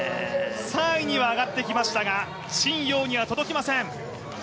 ３位には上がってきましたが陳ヨウには届きません。